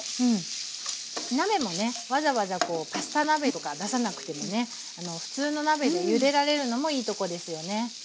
鍋もねわざわざパスタ鍋とか出さなくてもね普通の鍋でゆでられるのもいいとこですよね。